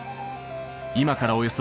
今からおよそ